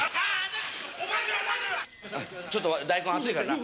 ちょっと、大根熱いからな。